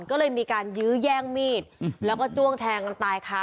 ก็เลยมีการยื้อแย่งมีดแล้วก็จ้วงแทงกันตายค่ะ